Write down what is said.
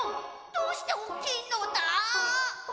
どうしておっきいのだ？